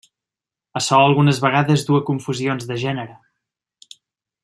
Açò algunes vegades duu a confusions de gènere.